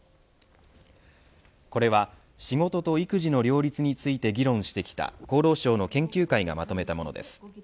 これは仕事と育児の両立について議論してきた厚労省の研究会がまとめたものです。